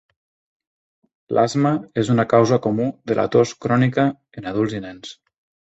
L'asma és una causa comú de la tos crònica en adults i nens.